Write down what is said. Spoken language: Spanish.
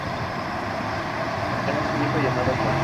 Tuvieron al menos un hijo llamado Juan.